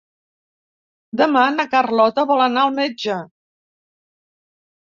Demà na Carlota vol anar al metge.